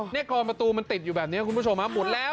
นี่กรมประตูมันติดอยู่แบบนี้นะครับคุณผู้ชมคระอ้าว